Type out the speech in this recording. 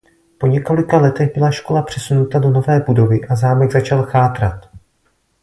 Po několika letech byla škola přesunuta do nové budovy a zámek začal chátrat.